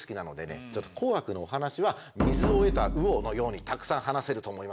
ちょっと「紅白」のお話は水を得た魚のようにたくさん話せると思いますよ。